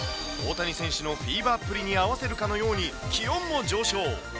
大谷選手のフィーバーっぷりに合わせるかのように、気温も上昇。